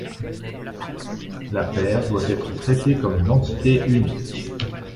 La paire doit être traitée comme une entité unique.